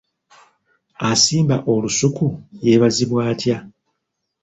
Asimba olusuku yeebazibwa atya?